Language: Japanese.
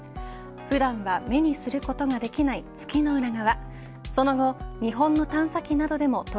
普段は目にすることができない月の裏側。